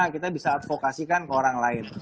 kita bisa advokasikan ke orang lain